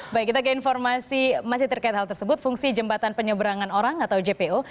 baik kita ke informasi masih terkait hal tersebut fungsi jembatan penyeberangan orang atau jpo